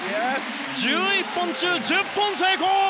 １１本中１０本成功！